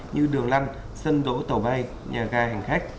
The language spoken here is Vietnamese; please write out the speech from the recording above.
như đường lăn sân đỗ tàu bay nhà ga hành khách